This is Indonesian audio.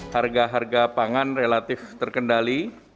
harga harga pangan relatif terkendali